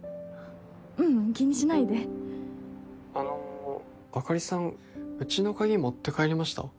ううん気にしないであのあかりさんうちの鍵持って帰りました？